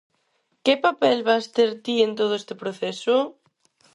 Que papel vas ter ti en todo este proceso?